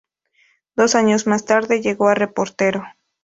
Dos años más tarde llegó a reportero.